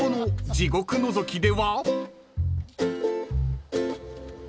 地獄のぞきで。